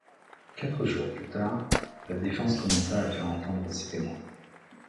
Quatre jours plus tard, la défense commença à faire entendre ses témoins.